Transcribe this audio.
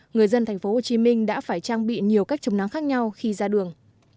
người dân thành phố hồ chí minh đã phải trang bị nhiều cách chống nắng khác nhau khi ra đường